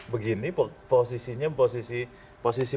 begini posisinya posisi